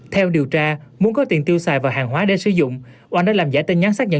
theo điều tra muốn có tiền tiêu xài và hàng hóa để sử dụng oanh đã làm giả tin nhắn xác nhận